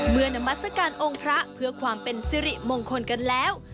นามัศกาลองค์พระเพื่อความเป็นสิริมงคลกันแล้ว